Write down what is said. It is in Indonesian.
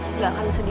tidak akan sedih